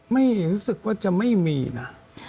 ไม่รู้สึกว่าจะไม่มีนะ